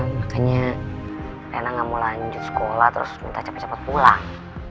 makanya enak gak mau lanjut sekolah terus minta cepat cepat pulang